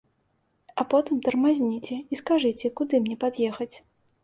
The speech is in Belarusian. А потым тармазніце і скажыце, куды мне пад'ехаць.